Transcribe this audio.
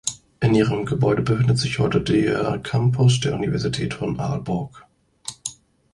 In ihren Gebäuden befindet sich heute der Campus der Universität von Aalborg.